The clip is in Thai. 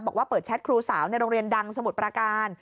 บอกว่าเปิดแชทครูสาวในโรงเรียนดังสมุทรประการ